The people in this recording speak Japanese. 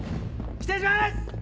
失礼します！